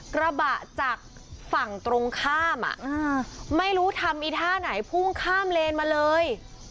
กระบะจากฝั่งตรงข้ามไม่รู้ทำอีท่าไหนพุ่งข้ามเลนมาเลย